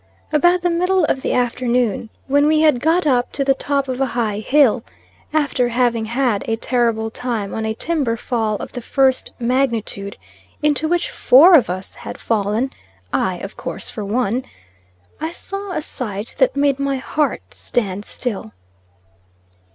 About the middle of the afternoon, when we had got up to the top of a high hill, after having had a terrible time on a timber fall of the first magnitude, into which four of us had fallen, I of course for one, I saw a sight that made my heart stand still.